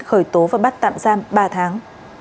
khởi tố và bắt tạm giam ba tháng